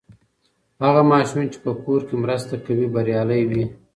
هغه ماشوم چې په کور کې مرسته کوي، بریالی وي.